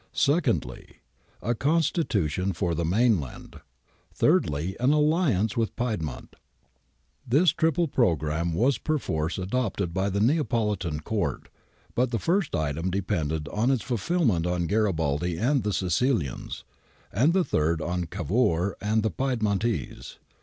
Secondly, a Constitution for the mainland. Thirdly, an alliance with Piedmont. This triple programme was perforce adopted by the Neapolitan Court, but the first item depended for its ful filment on Garibaldi and the Sicilians, and the third on Cavour and the Piedmontese.